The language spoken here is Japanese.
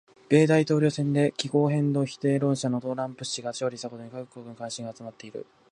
米大統領選で気候変動否定論者のトランプ氏が勝利したことに各国の関心が集まっている。